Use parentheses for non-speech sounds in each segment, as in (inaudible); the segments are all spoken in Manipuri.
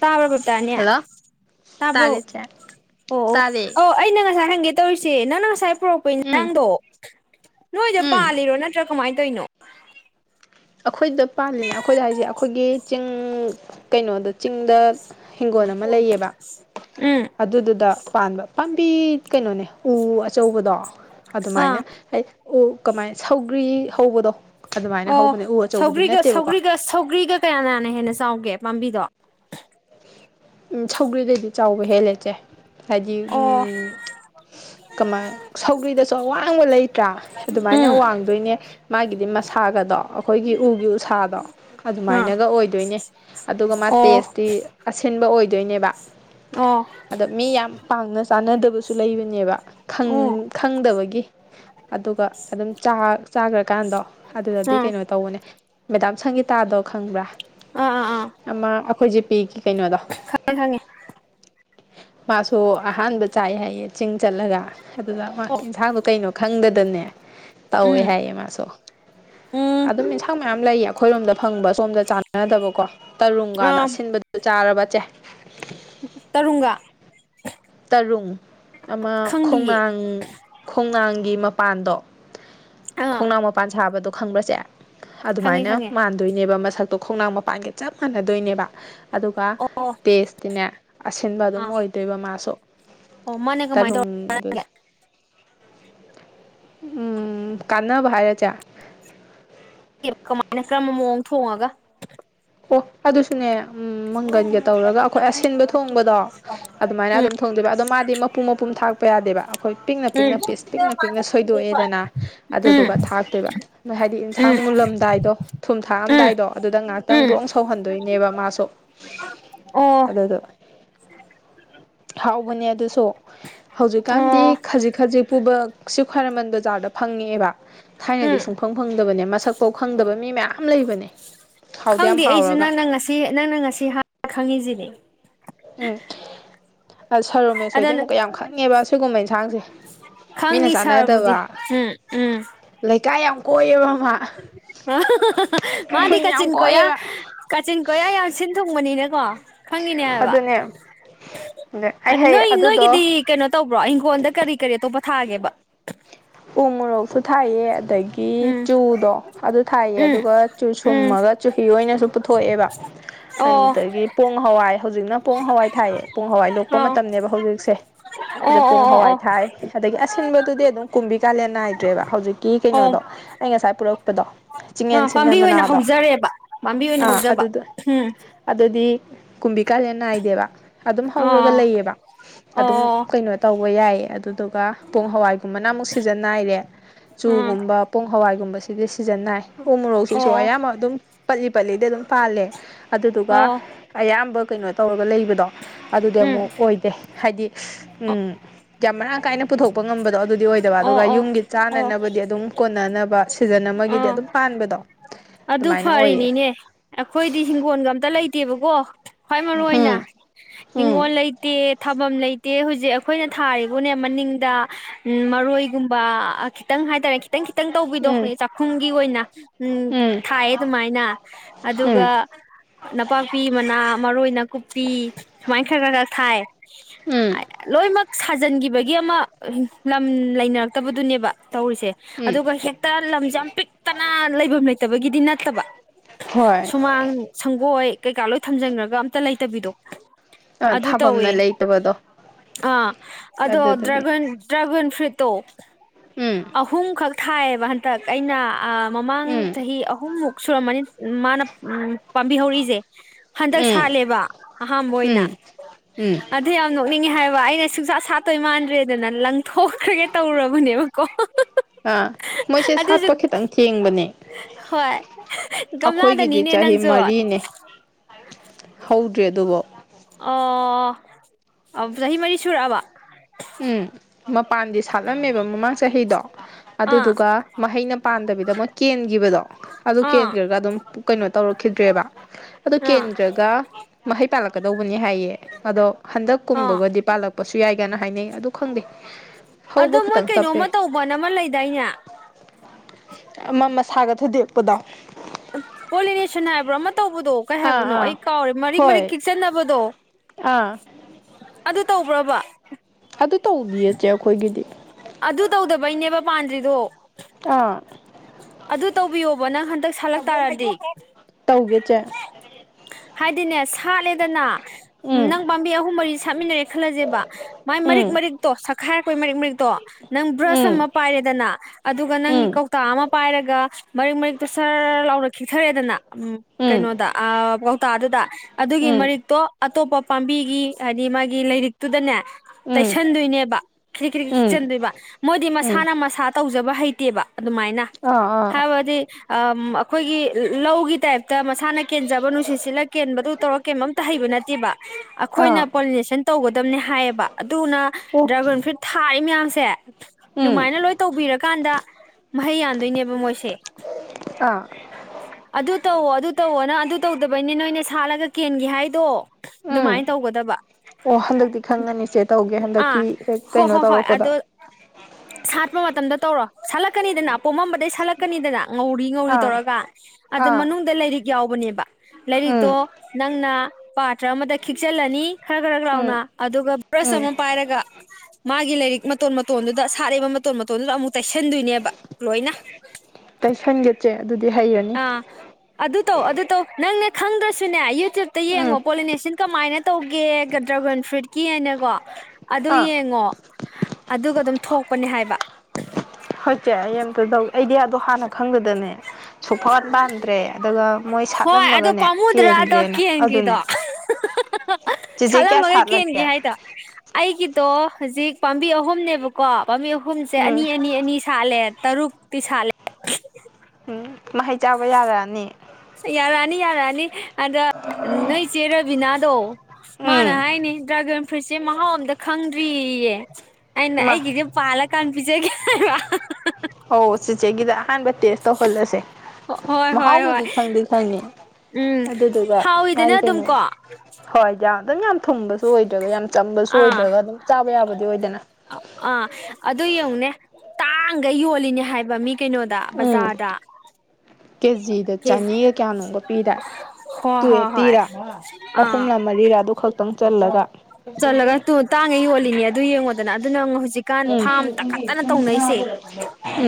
ꯇꯥꯕ꯭ꯔꯣ ꯄꯞꯇꯥꯅꯦ ꯍꯜꯂꯣ ꯇꯥꯕ꯭ꯔꯣ ꯇꯥꯔꯦ ꯆꯦ ꯑꯣ ꯑꯣ ꯇꯥꯔꯦ ꯑꯣ ꯑꯩꯅ ꯉꯁꯥꯏ ꯍꯪꯒꯦ ꯇꯧꯔꯤꯁꯦ ꯅꯪꯅ ꯉꯁꯥꯏ ꯄꯨꯔꯛꯄ ꯎꯝ ꯏꯟꯁꯥꯡꯗꯣ ꯅꯣꯏꯗ ꯎꯝ ꯄꯥꯜꯂꯤꯔꯣ ꯅꯠꯇ꯭ꯔꯥ ꯀꯃꯥꯏꯅ ꯇꯧꯔꯤꯅꯣ (inaudible) ꯑꯩꯈꯣꯏꯗ ꯄꯥꯜꯂꯤꯅꯦ ꯑꯩꯈꯣꯏꯗ ꯍꯥꯏꯁꯦ ꯑꯩꯈꯣꯏꯒꯤ ꯆꯤꯡ ꯀꯩꯅꯣꯗ ꯆꯤꯡꯗ ꯍꯤꯡꯒꯣꯜ ꯑꯃ ꯂꯩꯌꯦꯕ ꯎꯝ ꯑꯗꯨꯗꯨꯗ ꯄꯥꯟꯕ ꯅꯨꯄꯤ ꯀꯩꯅꯣꯅꯦ ꯎ ꯑꯆꯧꯕꯗꯣ ꯑꯥ ꯑꯗꯨꯃꯥꯏꯅ ꯍ ꯑꯣ ꯀꯃꯥꯏꯅ ꯁꯧꯒ꯭ꯔꯤ ꯍꯧꯕꯗꯣ ꯑꯗꯨꯃꯥꯏꯅ ꯍꯧ ꯁꯧꯒ꯭ꯔꯤ ꯁꯧꯒ꯭ꯔꯤꯒ ꯁꯧꯒ꯭ꯔꯤꯒ ꯀꯌꯥ ꯀꯅꯥꯅ ꯍꯦꯟꯅ ꯆꯥꯎꯒꯦ ꯄꯥꯝꯕꯤꯗꯣ ꯎꯝ ꯁꯧꯒꯔꯤꯗꯕꯤ ꯆꯥꯎꯕ ꯍꯦꯜꯂꯦ ꯆꯦ ꯍꯥꯏꯗꯤ ꯑꯣ ꯀꯃꯥꯏ ꯁꯧꯒ꯭ꯔꯤꯗꯁꯨ ꯑꯋꯥꯡꯕ ꯂꯩꯇ꯭ꯔꯥ ꯑꯗꯨꯃꯥꯏꯅ ꯎꯝ ꯋꯥꯡꯗꯣꯏꯅꯦ ꯃꯥꯒꯤꯗꯤ ꯃꯁꯥꯒꯗꯣ ꯑꯩꯈꯣꯏꯒꯤ ꯎꯒꯤ ꯎꯁꯥꯗꯣ ꯑꯥ ꯑꯗꯨꯃꯥꯏꯅꯒ ꯑꯣꯏꯗꯣꯏꯅꯦ ꯑꯗꯨꯒ ꯃꯥ ꯑꯣ ꯇꯦꯁꯇꯤ ꯈꯟꯕ ꯑꯣꯏꯗꯣꯏꯅꯦꯕ ꯑꯣ ꯑꯗ ꯃꯤ ꯌꯥꯝ ꯄꯥꯡꯅ ꯆꯥꯅꯗꯕꯁꯨ ꯂꯩꯕꯅꯦꯕ ꯎꯝ ꯈꯪꯗꯕꯒꯤ ꯑꯗꯨꯒ ꯑꯗꯨꯝ ꯆꯥꯈ꯭ꯔꯀꯥꯟꯗꯣ ꯑꯗꯨꯗꯗꯤ ꯑꯥ ꯀꯩꯅꯣ ꯇꯧꯕꯅꯦ ꯃꯦꯗꯥꯝ ꯁꯪꯒꯤꯇꯥꯗꯣ ꯈꯪꯕ꯭ꯔꯥ ꯑꯥ ꯑꯥ ꯑꯥ ꯑꯃꯃ ꯑꯩꯈꯣꯏ ꯖꯤꯄꯦꯒꯤ ꯀꯩꯅꯣꯗꯣ ꯈꯪꯉꯦ ꯈꯪꯉꯦ ꯃꯥꯁꯨ ꯑꯍꯥꯟꯕ ꯆꯥꯏ ꯍꯥꯏꯌꯦ ꯆꯤꯡ ꯆꯠꯂꯒ ꯑꯗꯨꯗ ꯃꯥ ꯑꯣ ꯌꯦꯟꯁꯥꯡꯗꯣ ꯀꯩꯅꯣ ꯈꯪꯗꯗꯅꯦ ꯇꯧꯋꯦ ꯎꯝ ꯍꯥꯏꯌꯦ ꯃꯥꯁꯨ ꯎꯝ ꯑꯗꯨꯝ ꯑꯦꯟꯁꯥꯡ ꯃꯌꯥꯝ ꯂꯩ ꯑꯩꯈꯣꯏꯔꯣꯝꯗ ꯐꯪꯕ ꯁꯣꯝꯗ ꯆꯥꯟꯅꯗꯕꯀꯣ ꯇꯔꯨꯡ ꯀꯥꯟꯅ ꯁꯤꯟꯕ ꯆꯥꯔꯕ ꯆꯦ ꯇꯔꯨꯡꯒꯥ ꯇꯔꯨꯡ ꯑꯃ ꯈꯪꯗꯤꯌꯦ ꯈꯣꯡꯅꯥꯡ ꯈꯣꯡꯅꯥꯡ ꯒꯤ ꯃꯄꯥꯟꯗꯣ ꯑꯥ ꯈꯣꯡꯅꯥꯡ ꯃꯄꯥꯟ ꯁꯥꯕꯗꯣ ꯈꯪꯕ꯭ꯔꯥ ꯆꯦ ꯈꯪꯉꯦ ꯑꯗꯨꯃꯥꯏꯅ ꯈꯪꯉꯦ ꯃꯥꯟꯗꯣꯏꯅꯦꯕ ꯃꯁꯛ ꯗꯣ ꯈꯣꯡꯅꯥꯡ ꯃꯄꯥꯟꯒ ꯆꯞ ꯃꯥꯟꯅꯗꯣꯏꯅꯦꯕ ꯑꯗꯨꯒ ꯑꯣ ꯇꯦꯁꯇꯤꯅꯦ ꯑꯁꯤꯟꯕ ꯑꯗꯨꯝ ꯑꯥ ꯑꯣꯏꯗꯣꯏꯕ ꯃꯥꯁꯨ ꯑꯣ ꯃꯥꯅꯥ ꯀꯃꯥꯏ ꯇꯔꯨꯡꯗꯨ ꯇꯧꯒꯦ ꯎꯝ ꯀꯥꯟꯅꯕ ꯍꯥꯢꯔꯥ ꯆꯦ ꯀꯃꯥꯏꯅ ꯀꯔꯝꯕ ꯃꯑꯣꯡ ꯊꯣꯡꯉꯥꯒ ꯑꯣ ꯑꯗꯨꯁꯨꯅꯦ ꯎꯝ ꯃꯪꯒꯟꯒ ꯇꯧꯔꯒ ꯑꯩꯈꯣꯏ ꯑꯁꯤꯟꯕ ꯊꯣꯡꯕꯗꯣ ꯑꯗꯨꯃꯥꯏꯅ ꯎꯝ ꯑꯗꯨꯝ ꯊꯣꯡꯗꯣꯏꯕ ꯑꯗꯣ ꯃꯥꯗꯤ ꯃꯄꯨꯝ ꯃꯄꯨꯝ ꯊꯥꯛꯄ ꯌꯥꯗꯦꯕ ꯑꯩꯈꯣꯏ ꯄꯤꯛꯅ ꯎꯝ ꯄꯤꯛꯅ ꯄꯤ꯭ꯁ ꯄꯤꯛꯅ ꯄꯤꯛꯅ ꯁꯣꯏꯗꯣꯛꯑꯦꯗꯅ ꯎꯝ ꯑꯗꯨꯗꯨꯒ ꯊꯥꯛꯇꯣꯏꯕ ꯑꯗꯨ ꯍꯥꯏꯗꯤ ꯎꯝ ꯌꯦꯟꯁꯥꯡ ꯃꯨꯜꯂꯝꯗꯥꯏꯗꯣ ꯊꯨꯝ ꯎꯝ ꯊꯥꯛꯑꯝꯗꯥꯏꯗꯣ ꯑꯗꯨꯗ ꯉꯥꯛꯇ ꯊꯪ ꯎꯝ ꯕ꯭ꯔꯣꯡ ꯁꯧꯍꯟꯗꯣꯏꯅꯦ ꯑꯦꯕ ꯃꯥꯁꯨ ꯑꯣ ꯑꯗ ꯑꯗꯨ ꯍꯥꯎꯕꯅꯦ ꯑꯗꯨꯁꯨ ꯑꯣ ꯍꯧꯖꯤꯛꯀꯥꯟꯗꯤ ꯈꯖꯤꯛ ꯈꯖꯤꯛ ꯄꯨꯕ ꯁꯤ ꯈ꯭ꯋꯥꯏꯔꯝꯕꯟ ꯕꯖꯥꯔꯗ ꯐꯪꯉꯛꯑꯦꯕ ꯊꯥꯏꯅꯗꯤ ꯎꯝ ꯁꯨꯡꯐꯪ ꯐꯪꯗꯕꯅꯦ ꯃꯁꯛꯐꯥꯎ ꯈꯪꯗꯕ ꯃꯤ ꯃꯌꯥꯝ ꯌꯥꯝ ꯂꯩꯕꯅꯦ ꯍꯥꯎꯗꯤ ꯌꯥꯝ ꯈꯪꯗꯦ ꯑꯩꯁꯨ ꯍꯥꯎꯔꯒ ꯅꯪꯅ ꯉꯁꯤ ꯅꯪꯅ ꯉꯁꯤ ꯍꯥꯢꯔꯥ ꯈꯪꯉꯤꯁꯤꯅꯦ ꯎꯝ ꯑ ꯁ꯭ꯔ ꯔꯣꯃꯦꯁ ꯍꯣꯗꯤ ꯑꯗꯨꯅ ꯑꯃꯨꯛꯀ ꯌꯥꯝ ꯈꯪꯉꯦꯕ ꯁꯤꯒꯨꯝꯕ ꯏꯟꯁꯥꯡꯁꯦ ꯃꯤꯅ ꯈꯪꯅꯤ ꯁꯥꯔꯕꯨꯗꯤ ꯆꯥꯟꯅꯗꯕ ꯂꯩꯀꯥꯏ ꯌꯥꯝ ꯀꯣꯏꯌꯦꯕ ꯃꯥ ꯑꯍꯥꯍꯥꯍꯥ ꯃꯥꯗꯤ ꯈꯨꯟ ꯌꯥꯝ ꯀꯥꯆꯤꯟ ꯀꯣꯢꯌꯥ ꯀꯣꯏꯌꯦꯕ ꯀꯆꯤꯟ ꯀꯣꯏꯌꯥ ꯌꯥꯝ ꯁꯤꯟꯊꯣꯛ ꯊꯨꯡꯕꯅꯤꯅ ꯀꯣ ꯈꯪꯉꯤꯅꯦ ꯍꯥꯏꯕ ꯑꯗꯨꯅꯦ ꯑꯗ ꯑ ꯑꯩ ꯍꯩ ꯅꯣꯏ ꯑꯗꯨꯗꯣ ꯅꯣꯏꯒꯤꯗꯤ ꯀꯩꯅꯣ ꯇꯧꯕ꯭ꯔꯣ ꯍꯤꯡꯈꯣꯜꯗ ꯀꯔꯤ ꯀꯔꯤ ꯑꯇꯣꯞꯄ ꯊꯥꯒꯦꯕ ꯎ ꯃꯣꯔꯣꯛꯁꯨ ꯊꯥꯏꯌꯦ ꯑꯗꯒꯤ ꯎꯝ ꯆꯨꯗꯣ ꯑꯗꯨ ꯊꯥꯏꯌꯦ ꯎꯝ ꯑꯗꯨꯒ ꯆꯨ ꯎꯝ ꯁꯨꯝꯃꯒ ꯆꯨꯍꯤ ꯑꯣꯏꯅꯁꯨ ꯄꯨꯊꯣꯛꯑꯦꯕ ꯑꯣ ꯑꯗꯒꯤ ꯄꯣꯡ ꯍꯋꯥꯏ ꯍꯧꯖꯤꯛꯅ ꯄꯣꯡ ꯍꯋꯥꯏ ꯊꯥꯏꯌꯦ ꯄꯣꯡ ꯍꯋꯥꯏ ꯂꯣꯛꯄ ꯑꯣ ꯃꯇꯝꯅꯦꯕ ꯍꯧꯖꯤꯛꯁꯦ ꯑꯣ ꯑꯗꯣ ꯄꯣꯡ ꯑꯣ ꯍꯋꯥꯏ ꯑꯣ ꯊꯥꯏ ꯑꯗꯒꯤ ꯑꯁꯤꯟꯕ ꯑꯗꯨꯗꯤ ꯑꯗꯨꯝ ꯀꯨꯝꯕꯤ ꯀꯥꯂꯦꯟ ꯅꯥꯏꯗ꯭ꯔꯦꯕ ꯍꯧꯖꯤꯛꯀꯤ ꯑꯣ ꯀꯩꯅꯣꯗꯣ ꯑꯩ ꯉꯁꯥꯏ ꯄꯨꯔꯛꯄꯗꯣ ꯆꯤꯡꯌꯦꯟ ꯑꯥ ꯁꯤꯅ ꯄꯥꯝꯕꯤ ꯑꯣꯏꯅ ꯃꯅꯥꯗꯣ ꯍꯧꯖꯔꯦꯕ ꯄꯥꯝꯕꯤ ꯑꯣꯏꯅ ꯑꯥ ꯍꯧꯖꯕ ꯑꯗꯨꯗꯣ ꯎꯝ ꯑꯗꯨꯗꯤ ꯀꯨꯝꯕꯤ ꯀꯥꯂꯦꯟ ꯅꯥꯢꯗꯦꯕ ꯑꯗꯨꯝ ꯍꯧꯔꯒ ꯑꯣ ꯂꯩꯌꯦꯕ ꯑꯗꯨꯝ ꯑꯣ ꯀꯩꯅꯣ ꯇꯧ ꯑꯣ ꯌꯥꯏ ꯑꯗꯨ ꯑꯗꯨꯒ ꯄꯣꯡ ꯍꯋꯥꯏ ꯎꯝꯕꯅ ꯑꯃꯨꯛ ꯁꯤꯖꯟ ꯅꯥꯢꯔꯦ ꯎꯝ ꯆꯨꯒꯨꯝꯕ ꯄꯣꯡ ꯍꯋꯥꯢꯒꯨꯝꯕ ꯁꯤꯗꯤ ꯁꯤꯖꯤꯟꯅꯥꯏ ꯎ ꯃꯣꯔꯣꯛꯁꯤꯁꯨ ꯑꯣ ꯑꯌꯥꯝꯕ ꯑꯗꯨꯝ ꯄꯠꯂꯤ ꯄꯠꯂꯤꯗꯤ ꯑꯗꯨꯝ ꯄꯥꯜꯂꯦ ꯑꯗꯨꯗꯨꯒ ꯑꯣ ꯑꯌꯥꯝꯕ ꯀꯩꯅꯣ ꯇꯧꯔꯒ ꯂꯩꯕꯗꯣ ꯑꯗꯨꯗꯤ ꯎꯝ ꯑꯃꯨꯛ ꯑꯣꯏꯗꯦ ꯍꯥꯏꯗꯤ ꯎꯝ ꯌꯥꯝ ꯃꯔꯥꯡ ꯀꯥꯏꯅ ꯄꯨꯊꯣꯛꯄ ꯉꯝꯕ ꯗꯤ ꯑꯣꯏꯗꯕ ꯑꯣ ꯑꯗꯨꯒ ꯑꯣ ꯌꯨꯝꯒꯤ ꯑꯣ ꯆꯥꯅꯅꯕꯗꯤ ꯑꯗꯨꯝ ꯀꯣꯟꯅꯅꯕ ꯁꯤꯖꯟ ꯑꯃꯒꯤꯗꯤ ꯑꯥ ꯑꯗꯨꯝ ꯄꯥꯟꯕꯗꯣ ꯑꯗꯨ ꯑꯗꯨꯃꯥꯏꯅ ꯑꯣꯏꯌꯦ ꯐꯔꯤꯅꯤꯅꯦ ꯇꯦꯕ ꯀꯣ ꯈ꯭ꯋꯥꯏ ꯃꯔꯨ ꯑꯣꯏꯅ ꯎꯝ ꯎꯝ ꯍꯤꯡꯒꯣꯜ ꯂꯩꯇꯦ ꯊꯥꯐꯝ ꯂꯩꯇꯦ ꯍꯧꯖꯤꯛ ꯑꯩꯈꯣꯏꯅ ꯊꯥꯔꯤꯕꯨꯅꯦ ꯃꯅꯤꯡꯗ ꯎꯝ ꯃꯔꯣꯏꯒꯨꯝꯕ ꯑ ꯈꯤꯇꯪ ꯍꯥꯏꯇꯥꯔꯦ ꯈꯤꯇꯪ ꯈꯤꯇꯪ ꯇꯧꯕꯤꯗꯣ ꯎꯝ ꯑꯩ ꯆꯥꯛꯈꯨꯝꯒꯤ ꯑꯣꯏꯅ ꯎꯝ ꯊꯥꯏꯌꯦ ꯑꯗꯨꯃꯥꯏꯅ ꯑꯗꯨꯒ ꯎꯝ ꯅꯄꯥꯛꯄꯤ ꯃꯅꯥ ꯃꯔꯣꯏ ꯅꯥꯀꯨꯞꯄꯤ ꯁꯨꯃꯥꯢ ꯈ꯭ꯔ ꯈ ꯈꯛ ꯊꯥꯏ ꯎꯝ ꯁꯥꯖꯤꯟꯈꯤꯕꯒꯤ ꯑꯃ ꯂꯝ ꯂꯩꯅꯔꯛꯇꯕꯗꯨꯅꯦꯕ ꯇꯧꯔꯤꯁꯦ ꯎꯝ ꯑꯗꯨꯒ ꯍꯦꯛꯇ ꯂꯝꯁꯦ ꯌꯥꯝ ꯄꯤꯛꯇꯅ ꯂꯩꯐꯝ ꯂꯩꯇ ꯇꯕꯒꯤꯗꯤ ꯅꯠꯇꯕ ꯍꯣꯏ ꯁꯨꯃꯥꯡ ꯁꯪꯒꯣꯏ ꯀꯩꯀꯥ ꯂꯣꯏ ꯊꯝꯖꯟꯒ꯭ꯔꯒ ꯑꯝꯇ ꯂꯩꯇꯕꯤꯗꯣ ꯑ ꯑꯗꯨ ꯇꯧꯋꯦ ꯊꯥꯐꯝꯅ ꯂꯩꯇꯕꯗꯣ ꯑ ꯑꯗꯣ ꯑꯗꯨꯗꯨꯒꯤ ꯗ꯭ꯔꯒꯟ ꯇ꯭ꯔꯒꯟ ꯐ꯭ꯔꯤꯠꯇꯣ ꯎꯝ ꯑꯍꯨꯝ ꯈꯛ ꯊꯥꯏꯌꯦꯕ ꯍꯟꯇꯛ ꯑꯩꯅ ꯑ ꯃꯃꯥꯡ ꯎꯝ ꯆꯍꯤ ꯑꯍꯨꯝꯃꯨꯛ ꯁꯨꯔꯝꯃꯅꯤ ꯎ ꯃꯥꯅ ꯎꯝ ꯄꯥꯝꯕꯤ ꯍꯧꯔꯛꯢꯁꯦ ꯍꯟꯗꯛ ꯎꯝ ꯁꯥꯠꯂꯦꯕ ꯑꯍꯥꯟꯕ ꯑꯣꯏꯅ ꯎꯝ ꯎꯝ ꯑꯗꯨ ꯌꯥꯝ ꯅꯣꯛꯅꯤꯡꯉꯦ ꯍꯥꯏꯕ ꯑꯩꯅ ꯁꯨꯡꯁꯥ ꯁꯥꯠꯇꯣꯏ ꯃꯥꯟꯗ꯭ꯔꯦꯗꯅ ꯂꯪ ꯊꯣꯛꯈ꯭ꯔꯒꯦ ꯇꯧꯔꯨꯔꯕꯅꯦꯕ ꯀꯣ ꯑꯥ ꯃꯣꯏꯁꯦ ꯁꯥꯠꯄ ꯈꯤꯇꯪ ꯊꯦꯡꯕꯅꯦ ꯍꯣꯏ ꯑꯩꯈꯣꯏꯒꯤꯗꯤ ꯒꯝꯂꯥꯗꯅꯤꯅꯦ ꯆꯍꯤ ꯅꯪꯁꯨ ꯃꯔꯤꯅꯦ ꯍꯧ ꯗ꯭ꯔꯦꯗꯨꯕꯧ ꯑꯣ ꯆꯍꯤ ꯃꯔꯤ ꯁꯨꯔꯛꯑꯕ ꯎꯝ ꯃ ꯄꯥꯟꯗꯤ ꯁꯥꯠꯂꯝꯃꯦꯕ ꯃꯃꯥꯡ ꯆꯍꯤꯗꯣ ꯑꯥ ꯑꯗꯨꯗꯨꯒ ꯃꯍꯩꯅ ꯄꯥꯟꯗꯕꯤꯗ ꯑꯃ ꯀꯦꯟꯈꯤꯕꯗꯣ ꯑꯗꯨ ꯑꯥ ꯀꯦꯟꯈ꯭ꯔꯒ ꯑꯗꯨꯝ ꯀꯩꯅꯣ ꯇꯧꯔꯛꯈꯤꯗ꯭ꯔꯦꯕ ꯑꯗꯨ ꯑꯥ ꯀꯦꯟꯈ꯭ꯔꯒ ꯃꯍꯩ ꯄꯥꯜꯂꯛ ꯑꯣꯅꯤ ꯍꯥꯢꯌꯦ ꯑꯗꯣ ꯍꯟꯇꯛ ꯑꯥ ꯀꯨꯝꯕꯒꯗꯤ ꯄꯥꯜꯂꯛꯄꯁꯨ ꯌꯥꯢ ꯍꯥꯏꯅꯩ ꯑꯗꯨ ꯈꯪꯗꯦ ꯑꯗꯣ ꯍꯧꯕ ꯃꯣꯏ ꯈꯇꯪ ꯀꯩꯅꯣꯝꯃ ꯇꯞꯄꯦ ꯇꯧꯕꯅ ꯑꯃ ꯂꯩꯗꯥꯏꯅꯦ ꯁꯥꯒ ꯊꯨꯗꯦꯛꯄꯗꯣ ꯄꯣꯂꯤꯅꯦꯁꯟ ꯍꯥꯏꯕ꯭ꯔꯣ ꯑꯃ ꯇꯧꯕꯗꯣ ꯀꯩ ꯑꯥ ꯍꯥꯏꯕꯅꯣ ꯑꯥ ꯑꯩ ꯀꯥꯎꯔꯦ ꯃꯔꯤꯛ ꯃꯔꯤꯛ ꯍꯣꯏ ꯈꯤꯛꯆꯟꯅꯕꯗꯣ ꯑꯥ ꯑꯗꯨ ꯇꯧꯕ꯭ꯔꯕ ꯑꯗꯨ ꯇꯧꯗꯤꯌꯦ ꯆꯦ ꯑꯩꯈꯣꯏꯒꯤꯗꯤ ꯑꯗꯨ ꯇꯧꯗꯕꯩꯅꯦꯕ ꯄꯥꯟꯗ꯭ꯔꯤꯗꯣ ꯇꯥ ꯑꯗꯨ ꯇꯧꯕꯤꯌꯣꯕ ꯅꯪ ꯍꯟꯗꯛ ꯁꯥꯠꯂꯛ ꯇꯔꯥꯗꯤ ꯇꯧꯒꯦ ꯆꯦ ꯍꯥꯏꯗꯤꯅꯦ ꯁꯦ ꯍꯥꯠꯂꯦꯗꯅ ꯎꯝ ꯅꯪ ꯄꯥꯝꯕꯤ ꯑꯍꯨꯝ ꯃꯔꯤ ꯊꯥ ꯃꯤꯟꯅꯦ ꯈꯜꯂꯁꯦꯕ ꯃꯥꯏ ꯃꯔꯤꯛ ꯎꯝ ꯃꯔꯤꯛꯇꯣ ꯈꯥꯏꯔꯛꯄꯩ ꯃꯔꯤꯛ ꯃꯔꯤꯛꯇꯣ ꯅꯪ ꯕ꯭ꯔꯁ ꯎꯝ ꯑꯃ ꯄꯥꯏꯔꯦꯗꯅ ꯑꯗꯨꯒ ꯅꯪꯒꯤ ꯎꯝ ꯀꯧꯇꯥ ꯑꯃ ꯄꯥꯏꯔꯒ ꯃꯔꯤꯛ ꯃꯔꯤꯛꯇꯣ ꯁꯔꯔ ꯂꯥꯎ ꯢꯊꯔꯦꯗꯅ ꯎꯝ ꯀꯩꯅꯣꯗ ꯑꯥ ꯇꯥ ꯗꯨꯗ ꯑꯗꯨꯒꯤ ꯎꯝ ꯃꯔꯤꯛꯇꯣ ꯑꯇꯣꯞꯄ ꯄꯥꯝꯕꯤꯒꯤ ꯍꯥꯏꯗꯤ ꯃꯥꯒꯤ ꯂꯥꯏꯔꯤꯛꯇꯨꯗꯅꯦ ꯎꯝ ꯇꯩꯁꯟꯗꯣꯏꯅꯦꯕ ꯈ꯭ꯔꯤꯛ ꯈ꯭ꯔꯤꯛ ꯎꯝ ꯈꯤꯛꯆꯟꯗꯣꯏꯕ ꯃꯣꯏꯗꯤ ꯎꯝ ꯃꯁꯥꯅ ꯃꯁꯥ ꯇꯧꯖꯕ ꯍꯩꯇ ꯇꯦꯕ ꯑꯗꯨꯃꯥꯏꯅ ꯑꯥ ꯍꯥꯏꯕꯗꯤ ꯑꯝ ꯑꯩꯈꯣꯏꯒꯤ ꯂꯧꯒꯤ ꯇꯥꯏꯞꯇ ꯃꯁꯥꯅ ꯀꯦꯟꯖꯕ ꯅꯨꯡꯁꯤꯠ ꯁꯤꯜꯂ ꯀꯦꯟꯕꯗꯨ ꯇꯧꯔꯒ ꯀꯦꯟꯕ ꯑꯝꯇ ꯍꯩꯕ ꯅꯠꯇꯦꯕ ꯑꯥ ꯑꯩꯈꯣꯏꯅ ꯑꯥ ꯄꯣꯂꯤꯅꯦꯁꯟ ꯇꯧꯕ ꯇꯝꯅꯦ ꯍꯥꯏꯌꯦꯕ ꯑꯗꯨꯅ ꯑꯣ ꯗ꯭ꯔꯥꯒꯟ ꯐ꯭ꯔꯨꯏꯠ ꯊꯥꯔꯤ ꯃꯌꯥꯝꯁꯦ ꯇꯦ ꯎꯝ ꯑꯗꯨꯃꯥꯏꯅ ꯂꯣꯏ ꯇꯧꯕꯤꯔꯀꯥꯟꯗ ꯃꯍꯩ ꯌꯥꯟꯗꯣꯏꯅꯦꯕ ꯃꯣꯏꯁꯦ ꯑꯥ ꯑꯗꯨ ꯇꯧꯋꯣ ꯑꯗꯨ ꯇꯧꯋꯣ ꯅꯪ ꯑꯗꯨ ꯇꯧꯗꯕꯩꯅꯦ ꯅꯣꯏꯅ ꯁꯥꯠꯂꯒ ꯀꯦꯟꯒꯤ ꯍꯥꯏꯗꯣ ꯑꯗꯨꯃꯥꯏꯅ ꯎꯝ ꯇꯧꯒꯗꯕ ꯑꯣ ꯍꯟꯗꯛꯇꯤ ꯈꯪꯉꯅꯤ ꯆꯦ ꯇꯧꯒꯦ ꯑꯥ ꯍꯟꯗꯛꯀꯤ ꯍꯦꯛ ꯍꯣ ꯀꯩꯅꯣ ꯍꯣꯏ ꯍꯣꯏ ꯇꯧꯔꯛꯄꯗ ꯑꯗ ꯁꯥꯠꯄ ꯃꯇꯝꯗ ꯇꯧꯔꯣ ꯁꯥꯠꯂꯛꯀꯅꯤꯗꯅ ꯄꯣꯝꯃꯝꯕꯗꯒꯤ ꯁꯥꯠꯂꯛꯀꯅꯤꯗꯅ ꯉꯧꯔꯤ ꯉꯧꯔꯤ ꯑꯥ ꯇꯧꯔꯒ ꯑꯗꯨ ꯑꯥ ꯃꯅꯨꯡꯗ ꯂꯩꯔꯤꯛ ꯌꯥꯎꯕꯅꯦꯕ ꯂꯥꯏꯔꯤꯛꯇꯣ ꯎꯝ ꯅꯪꯅ ꯄꯥꯇ꯭ꯔ ꯑꯃꯗ ꯈꯤꯛꯆꯜꯂꯅꯤ ꯈꯔꯥ ꯈꯔꯥꯛ ꯂꯥꯎꯅ ꯎꯝ ꯑꯗꯨꯒ ꯕ꯭ꯔꯁ ꯎꯝ ꯑꯃ ꯄꯥꯏꯔꯒ ꯃꯥꯒꯤ ꯂꯥꯏꯔꯤꯛ ꯃꯇꯣꯟ ꯃꯇꯣꯟꯗꯨꯗ ꯁꯥꯛꯂꯤꯕ ꯃꯇꯣꯟ ꯃꯇꯣꯟꯗꯨꯗ ꯑꯃꯨꯛ ꯇꯩꯁꯟꯗꯣꯏꯅꯦꯕ ꯂꯣꯏꯅ ꯇꯩꯁꯟꯒꯦ ꯆꯦ ꯑꯗꯨꯗꯤ ꯍꯩꯔꯅꯤ ꯑ ꯑꯗꯨ ꯇꯧ ꯑꯗꯨ ꯇꯧ ꯅꯪ ꯅ ꯈꯪꯗ꯭ꯔꯁꯨꯅꯦ ꯌꯨꯠ ꯇꯨꯞꯗ ꯌꯦꯡꯉꯣ ꯎꯝ ꯄꯣꯂꯤꯅꯦꯁꯟ ꯀꯃꯥꯏꯅ ꯇꯧꯒꯦ ꯗ꯭ꯔꯥꯒꯟ ꯐ꯭ꯔꯨꯏꯠꯀꯤ ꯍꯥꯏꯅꯀꯣ ꯑꯗꯨ ꯑꯥ ꯌꯦꯡꯉꯣ ꯑꯗꯨꯒ ꯑꯗꯨꯝ ꯊꯣꯛ ꯄꯅꯦ ꯍꯥꯏꯕ ꯍꯣꯏꯆꯦ ꯑꯩ ꯑꯝꯇ ꯇꯧꯒꯦ ꯑꯩꯗꯤ ꯑꯗꯣ ꯍꯥꯟꯅ ꯈꯪꯗꯥꯗꯅꯦ ꯁꯣꯛꯐꯥꯟ ꯄꯥꯟꯗ꯭ꯔꯦ ꯑꯗꯨꯒ ꯃꯣꯏ ꯍꯣꯏ ꯑꯗꯣ ꯁꯥꯠꯂꯝꯃꯒꯅꯦ ꯄꯥꯝꯃꯨꯗ꯭ꯔꯥ ꯑꯗꯣ ꯀꯦꯟꯒ꯭ꯔꯦꯅ ꯑꯗꯨꯅꯦ ꯀꯦꯟꯒ꯭ꯔꯤꯗꯣ ꯆꯦꯆꯦ ꯀꯌꯥ ꯁꯥꯠꯂꯝꯃꯒ ꯀꯦꯟꯒꯤ ꯁꯥꯠꯂꯒꯦ ꯍꯥꯏꯗꯣ ꯑꯩꯒꯤꯗꯣ ꯍꯧꯖꯤꯛ ꯄꯥꯝꯕꯤ ꯑꯍꯨꯝꯅꯦꯕꯀꯣ ꯄꯥꯝꯕꯤ ꯑꯍꯨꯝꯁꯦ ꯎꯝ ꯑꯅꯤ ꯑꯅꯤ ꯑꯅꯤ ꯁꯠꯂꯦ ꯇꯔꯨꯛꯇꯤ ꯁꯥꯠꯂꯦ ꯎꯝ ꯃꯍꯩ ꯆꯥꯕ ꯌꯥꯔꯛꯑꯅꯤ ꯌꯥꯔꯥꯅꯤ ꯌꯥꯔꯥꯅꯤ ꯑꯗ ꯅꯣꯏ ꯆꯦ ꯔꯥꯕꯤꯅꯥ ꯑꯗꯣ ꯎꯝ ꯃꯥꯅ ꯍꯥꯏꯅꯤ ꯗ꯭ꯔꯥꯒꯟ ꯐ꯭ꯔꯨꯢꯠꯁꯦ ꯃꯍꯥꯎ ꯑꯝꯇ ꯈꯪꯗ꯭ꯔꯤꯌꯦ ꯑꯩꯅ ꯏꯃꯥ ꯑꯩꯒꯤꯗꯤ ꯄꯥꯜꯂꯥ ꯀꯥꯟ ꯄꯤꯖꯒꯦ ꯍꯥꯢꯕ ꯍꯥ ꯍꯥ ꯍꯥ ꯍꯥ ꯑꯧ ꯆꯤꯆꯦꯒꯤꯗ ꯑꯍꯥꯟꯕ ꯇꯦꯁ ꯇꯧꯍꯜꯂꯁꯦ ꯍꯣꯏ ꯍꯣꯏ ꯍꯣꯏ ꯃꯍꯥꯎꯕꯨꯗꯤ ꯈꯪꯗꯤ ꯈꯪꯉꯦ ꯎꯝ ꯑꯗꯨꯗꯨꯒ ꯃꯥꯒꯤ ꯍꯥꯎꯋꯤꯗꯅ ꯑꯗꯨꯝ ꯀꯩꯅꯣꯗꯣ ꯀꯣ ꯍꯋꯤꯏ ꯌꯥꯝ (unintelligible) ꯊꯨꯝꯕꯁꯨ ꯑꯣꯏꯗ꯭ꯔꯒ ꯌꯥꯝ ꯆꯝꯕꯁꯨ ꯑꯥ ꯑꯣꯏꯗ꯭ꯔꯒ ꯑꯗꯨꯝ ꯆꯥꯕ ꯌꯥꯕꯗꯤ ꯑꯣꯏꯗꯅ ꯅꯦ ꯇꯥꯡꯒꯩ ꯌꯣꯜꯂꯤꯅꯦ ꯍꯥꯏꯕ ꯃꯤ ꯀꯩꯅꯣꯗ ꯎꯝ ꯕꯖꯥꯔꯗ ꯀꯦꯖꯤꯗ ꯀꯦꯖꯤ ꯆꯅꯤꯒ ꯀꯌꯥꯅꯣꯝꯒ ꯄꯤꯗꯥꯏ ꯍꯣꯏ ꯍꯣꯏ ꯍꯣꯏ ꯇꯨꯑꯩꯇꯤꯔꯥ ꯑꯥ ꯑꯍꯨꯝꯂ ꯃꯔꯤꯔꯥ ꯑꯗꯨ ꯈꯛꯇꯪ ꯆ ꯂꯒ (inaudible) ꯆꯠꯂꯒ ꯇꯨ ꯇꯥꯡꯉꯦ ꯌꯣꯜꯂꯤꯅꯦ ꯑꯗꯨ ꯌꯦꯡꯉꯣꯗꯅ ꯑꯗꯨꯅ ꯍꯧꯖꯤꯛꯀꯥꯟ ꯎꯝ ꯐꯥꯝ ꯇꯥꯡꯈꯠꯇꯅ ꯎꯝ ꯇꯧꯅꯩꯁꯦ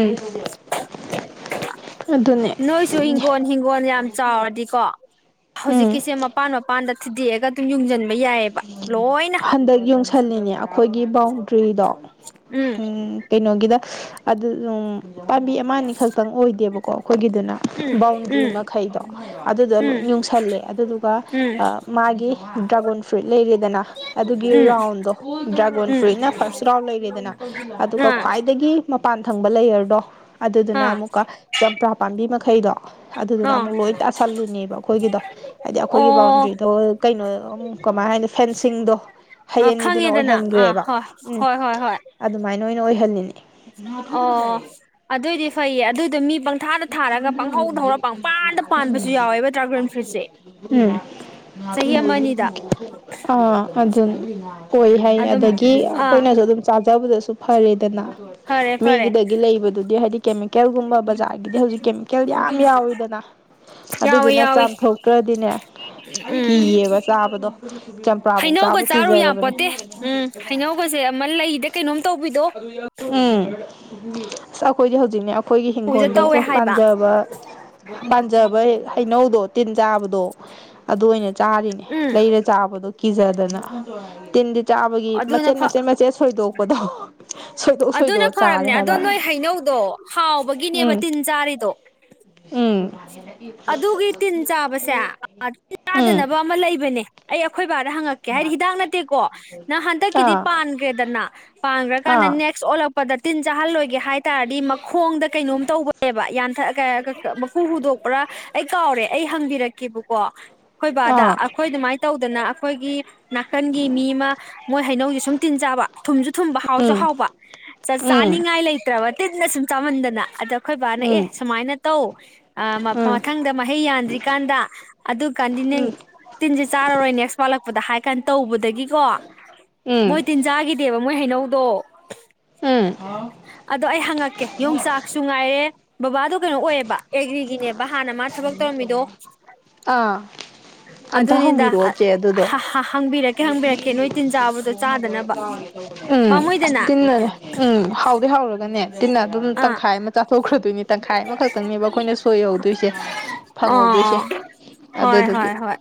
(unintelligible) ꯎꯝ ꯑꯗꯨꯅꯦ ꯅꯣꯏꯁꯨ ꯏꯪꯒꯣꯟ ꯍꯤꯡꯒꯣꯟ ꯌꯥꯝ ꯆꯥꯎꯔꯗꯤꯀꯣ ꯎꯝ ꯍꯧꯖꯤꯛꯀꯤꯁꯦ ꯃꯄꯥꯟ ꯃꯄꯥꯟ ꯗ ꯊꯨꯗꯦꯛꯑꯒ ꯑꯗꯨꯝ ꯌꯨꯡꯁꯤꯟꯕ ꯌꯥꯏ ꯍꯟꯗꯛ ꯌꯨꯡꯁꯜꯂꯤꯅꯦ ꯑ ꯑꯩꯈꯣꯏꯒꯤ ꯕꯥꯎꯟꯗ꯭ꯔꯤꯗꯣ ꯎꯝ ꯀꯩꯅꯣꯒꯤꯗ ꯑꯗꯨꯅꯨꯡ ꯄꯥꯝꯕꯤ ꯑꯃꯅꯤ ꯈꯛꯇꯪ ꯑꯣꯏꯗꯦꯕꯀꯣ ꯑꯩꯈꯣꯏꯒꯤꯗꯨꯅ ꯎꯝ ꯕꯥꯎꯟꯗ꯭ꯔꯤ ꯃꯈꯩꯗꯣ ꯑꯗꯨꯗ ꯂꯣꯏ ꯎꯝ ꯌꯨꯡꯁꯜꯂꯦ ꯑꯗꯨꯗꯨꯒ ꯎꯝ ꯎꯝ ꯃꯥꯒꯤ ꯗ꯭ꯔꯥꯒꯣꯟ ꯐ꯭ꯔꯨꯠ ꯂꯩꯔꯦꯗꯅ ꯑꯗꯨꯒꯤ ꯎꯝ ꯔꯥꯎꯟꯗꯣ ꯗ꯭ꯔꯥꯒꯣꯟ ꯎꯝ ꯐ꯭ꯔꯨꯏꯠꯅ ꯐꯥꯔꯁ ꯔꯥꯎꯟ ꯂꯩꯔꯦꯗꯅ ꯑꯗꯨꯒ ꯑꯥ ꯈ꯭ꯋꯥꯏꯗꯒꯤ ꯃ ꯄꯥꯟ ꯊꯪꯕ ꯂꯩꯌꯔꯗꯣ ꯑꯗꯨꯗꯨꯅ ꯑꯥ ꯑꯃꯨꯛꯀ ꯆꯝꯄ꯭ꯔꯥ ꯄꯥꯝꯕꯤ ꯃꯈ ꯐꯩꯗꯣ ꯑꯗꯨꯗꯨꯅ ꯑꯥ ꯑꯃꯨꯛ ꯂꯣꯏ ꯇꯥꯁꯜꯂꯤꯅꯦꯕ ꯑꯩꯈꯣꯏꯒꯤꯗꯣ ꯍꯥꯏꯗꯤ ꯑꯩꯈꯣꯏꯒꯤ ꯕꯥꯎꯟꯗ꯭ꯔꯤꯗꯣ ꯀꯩꯅꯣ ꯑꯝ ꯀꯃꯥꯏꯅ ꯍꯥꯏꯅꯣ ꯐꯦꯟꯁꯤꯡꯗꯣ ꯍꯩ ꯑꯣ ꯑꯅꯤꯗꯨꯅ ꯈꯪꯉꯦꯗꯅ ꯑꯥ ꯑꯣꯏꯍꯟꯈ꯭ꯔꯦꯕ ꯍꯣꯏ ꯎꯝ ꯍꯣꯏ ꯍꯣꯏ ꯍꯣꯏ ꯑꯗꯨꯃꯥꯏꯅ ꯑꯣꯏꯅ ꯑꯣꯏꯍꯜꯂꯤ (inaudible) ꯑꯣ ꯑꯗꯨꯏꯗꯤ ꯐꯩꯌꯦ ꯑꯗꯨꯗꯣ ꯃꯤ ꯄꯪ (unintelligible) ꯄꯥꯟꯕꯁꯨ ꯌꯥꯎꯋꯦꯕ ꯗ꯭ꯔꯥꯒꯟ ꯐ꯭ꯔꯨꯏꯠꯁꯦ ꯎꯝ ꯆꯍꯤ ꯑꯃ ꯑꯅꯤꯗ ꯑꯥ ꯑꯗꯨ ꯑꯣꯏ ꯍꯥꯏ ꯑꯗꯨꯝ ꯑꯗꯒꯤ ꯑꯥ ꯑꯩꯈꯣꯏꯅꯁꯨ ꯑꯗꯨꯝ ꯆꯥꯖꯕꯗꯁꯨ ꯐꯔꯦꯗꯅ ꯐꯔꯦ ꯐꯔꯦ ꯃꯤꯒꯤꯗꯒꯤ ꯂꯩꯕꯗꯨꯗꯤ ꯍꯥꯏꯗꯤ ꯀꯦꯃꯤ ꯀꯦꯜꯒꯨꯝꯕ ꯕꯖꯥꯢ ꯑꯗꯒꯤꯗꯤ ꯍꯧꯖꯤꯛ ꯀꯦꯃꯤꯀꯦꯜ ꯌꯥꯝ ꯌꯥꯎꯋꯤꯗꯅ ꯌꯥꯎꯋꯦ ꯑꯗꯨꯗꯨꯅ ꯌꯥꯎꯋꯦ ꯆꯥꯝꯊꯣꯛꯇ꯭ꯔꯗꯤꯅꯦ ꯎꯝ ꯀꯤꯌꯦꯕ ꯆꯥꯕꯗꯣ ꯆꯝꯄ꯭ꯔꯥꯐꯧ ꯍꯩꯅꯧꯒ ꯆꯥꯕ ꯆꯥꯔꯨ ꯀꯤꯖꯔꯕꯅꯦ ꯌꯥꯄꯣꯠꯇꯦ ꯎꯝ ꯍꯩꯅꯒꯁꯦ ꯑꯃ ꯂꯩꯗ ꯀꯩꯅꯣꯝ ꯇꯧꯕ ꯑꯗꯨ ꯌꯥ ꯎꯝ ꯑꯩꯈꯣꯏꯗꯤ ꯍꯧꯖꯤꯛꯅꯦ ꯑꯩꯈꯣꯏꯒꯤ ꯎꯗ ꯍꯤꯡꯈꯣꯜꯗꯕꯨ ꯇꯧꯋꯦ ꯍꯥꯏꯕ ꯄꯥꯟꯖꯕ ꯄꯥꯟꯖꯕ ꯍꯩꯅꯧ ꯇꯤꯟ ꯆꯥꯕꯗꯣ ꯑꯗꯨ ꯑꯣꯏꯅ ꯆꯥꯔꯤꯅꯦ ꯎꯝ ꯂꯩꯔ ꯆꯥꯕꯗꯣ꯫ ꯀꯤꯖꯗꯅ ꯇꯤꯟꯗꯤ ꯆꯥꯕꯒꯤ ꯑꯗꯨꯅ ꯃꯆꯦꯠ ꯃꯆꯦꯠ ꯃꯆꯦꯠ ꯁꯣꯏꯗꯣꯛꯄꯗꯣ ꯁꯣꯏꯗꯣꯛ ꯑꯗꯨꯅ ꯁꯣꯏꯗꯣꯛꯑ ꯆꯥꯔꯦ ꯐꯔꯕꯅꯦ ꯑꯗꯣ ꯍꯥꯏꯕ ꯅꯣꯏ ꯍꯩꯅꯧꯗꯣ ꯍꯥꯎꯕꯒꯤꯅꯦꯕ ꯎꯝ ꯇꯤꯟ ꯆꯥꯔꯤꯗꯣ ꯎꯝ ꯑꯗꯨꯒꯤ ꯇꯤꯟ ꯆꯥꯕꯁꯦ ꯇꯤꯟ ꯎꯝ ꯆꯥꯗꯅꯕ ꯑꯃ ꯂꯩꯕꯅꯦ ꯑꯩ ꯑ ꯑꯩꯈꯣꯏ ꯕꯥꯗ ꯍꯪꯉꯛꯀꯦ ꯍꯥꯏꯗꯤ ꯍꯤꯗꯥꯛ ꯅꯠꯇꯦꯀꯣ ꯅꯪ ꯍꯟꯗꯛꯀꯤꯗꯤ ꯑꯥ ꯄꯥꯟꯈ꯭ꯔꯦꯗꯅ ꯄꯥꯡꯈ꯭ꯔꯀꯥꯟꯗ ꯑꯥ ꯅꯦꯛꯁ ꯑꯣꯜꯂꯛꯄꯗ ꯇꯤꯟ ꯆꯥꯍꯜꯂꯣꯏꯒꯦ ꯍꯥꯏ ꯇꯥꯔꯗꯤ ꯈꯣꯡꯗ ꯀꯩꯅꯣꯝ ꯇꯧꯕꯅꯦꯕ ꯌꯥꯝ ꯀꯩꯀ ꯍꯥꯏ ꯃꯀꯨ ꯍꯨꯗꯣꯛ ꯄꯨꯔꯥ ꯑꯩ ꯀꯥꯎꯔꯦ ꯑꯩ ꯍꯪꯕꯤꯔꯛꯀꯦꯕꯀꯣ ꯑꯩꯈꯣꯏ ꯕꯥꯗꯥ ꯑꯥ ꯑꯩꯈꯣꯏ ꯑꯗꯨꯃꯥꯏꯅ ꯇꯧꯗꯅ ꯑꯩꯈꯣꯏꯒꯤ ꯅꯥꯀꯟꯒꯤ ꯃꯤ ꯑꯃ ꯃꯣꯏ ꯍꯩꯅꯧꯁꯦ ꯁꯨꯝ ꯇꯤꯟ ꯆꯥꯕ ꯊꯨꯝꯁꯨ ꯊꯨꯝꯕ ꯍꯥꯎꯁꯨ ꯎꯝ ꯍꯥꯎꯕ ꯎꯝ ꯆꯥꯅꯤꯡꯉꯥꯏ ꯂꯩꯇ꯭ꯔꯕ ꯇꯤꯟꯅ ꯁꯨꯝ ꯆꯥꯃꯟꯗꯅ ꯑꯗꯣ ꯑꯩꯈꯣꯏ ꯕꯥꯅ ꯑꯦ ꯎꯝ ꯁꯨꯃꯥꯏꯅ ꯇꯧ ꯎꯝ ꯃꯊꯪꯗ ꯃꯍꯩ ꯌꯥꯟꯗ꯭ꯔꯤꯀꯥꯟꯗ ꯑꯗꯨ ꯀꯥꯟꯗꯤ ꯅꯪ ꯎꯝ ꯇꯤꯟꯖꯨ ꯆꯥꯔꯔꯣꯏ ꯅꯦꯛꯁ ꯋꯥꯠꯂꯛꯄ ꯍꯥꯏ ꯀꯥꯟꯅ ꯇꯧꯕꯗꯒꯤꯀꯣ ꯃꯣꯏ ꯎꯝ ꯇꯤꯟꯖꯥꯒꯤꯗꯦꯕ ꯃꯣꯏ ꯍꯩꯅꯧ ꯗꯣ ꯎꯝ ꯑꯗꯣ ꯑꯩ ꯍꯪꯉꯛꯀꯦ ꯌꯣꯡꯆꯥꯛꯁꯨ ꯉꯥꯏꯔꯦ ꯕꯕꯥꯗꯣ ꯀꯩꯅꯣ ꯑꯣꯏꯌꯦꯕ꯫ ꯑꯦꯒ꯭ꯔꯤꯒꯤꯅꯦꯕ ꯍꯥꯟꯅ ꯃꯥ ꯊꯕꯛ ꯇꯧꯔꯝꯃꯤꯗꯣ ꯑꯥ ꯑꯝꯇ ꯑꯗꯨꯅꯤꯗ ꯍꯪꯕꯤꯔꯛꯑꯣ ꯆꯦ ꯑꯗꯨꯗꯣ ꯍꯪꯕꯤꯔꯛꯀꯦ ꯍꯪꯕꯤꯔꯛꯀꯦ ꯅꯣꯏ ꯇꯤꯟ ꯆꯥꯕꯗꯣ ꯆꯥꯗꯅꯕ ꯎꯝ ꯑꯁ ꯄꯥꯝꯃꯣꯏꯗꯅ ꯇꯤꯟꯅꯅꯦ ꯎꯝ ꯍꯥꯎꯗꯤ ꯍꯥꯎꯔꯒꯅꯦ ꯇꯤꯟꯅ ꯑꯗꯨꯝ ꯑꯥ ꯇꯪꯈꯥꯏ ꯑꯃ ꯆꯥꯊꯣꯛꯈ꯭ꯔꯗꯣꯏꯅꯤ ꯇꯪꯈꯥꯏ ꯑꯃꯈꯛ ꯈꯇꯪꯅꯦꯕ ꯑꯩꯈꯣꯏꯅ ꯁꯣꯏꯍꯧꯗꯣꯏꯁꯦ ꯐꯪꯍꯧꯗꯣꯏꯁꯦ ꯑꯥ ꯍꯣꯏ ꯑꯗꯨꯗꯨꯒꯤ ꯍꯣꯏ ꯍꯣꯏ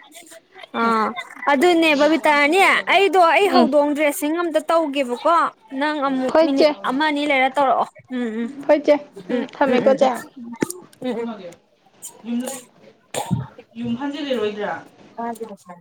ꯎꯝ ꯑꯥ ꯑꯗꯨꯅꯦ ꯕꯕꯤꯇꯥꯔꯥꯅꯤ ꯑꯩꯗꯣ ꯑꯩ ꯎꯝ ꯍꯧꯗꯣꯡꯗꯣ ꯗ꯭ꯔꯦꯁꯤꯡ ꯑꯝꯇ ꯇꯧꯒꯦ ꯀꯣ꯫ ꯅꯪ ꯑꯃꯨꯛ ꯃꯤꯅꯤꯠ ꯑꯃ ꯑꯅꯤ ꯂꯩꯔꯒ ꯇꯧꯔꯛꯑꯣ ꯎꯝ ꯎꯝ ꯍꯣꯏꯆꯦ ꯎꯝ ꯊꯝꯃꯦꯀꯣ ꯆꯦ ꯎꯝ ꯎꯝ ꯉꯥꯒꯤ ꯄꯩꯁꯥꯗꯤ